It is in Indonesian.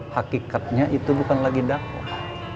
hakikatnya itu bukan lagi dakwah